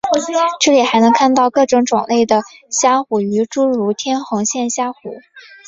这里还能看到各种种类的虾虎鱼诸如红天线虾虎。